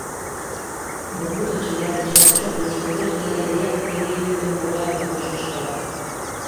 Но тудо чыла дечат чот воштылеш да эреак пеле йӱкын мура але шӱшка.